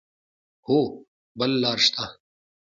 هو، بل لار شته